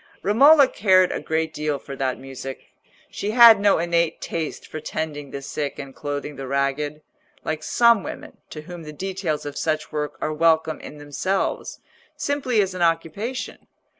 Romola cared a great deal for that music. She had no innate taste for tending the sick and clothing the ragged, like some women to whom the details of such work are welcome in themselves, simply as an occupation.